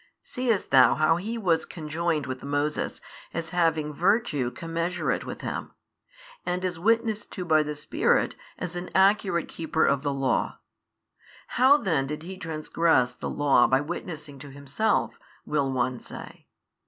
Seest thou how he was conjoined with Moses as having virtue commensurate with him, and is witnessed to by the Spirit as an accurate keeper of the Law? How then did he trangress the Law by witnessing to himself, will one say?